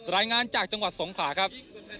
รายงานจากจังหวัดสงขลาครับ